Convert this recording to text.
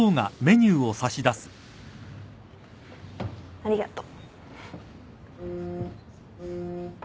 ありがとう。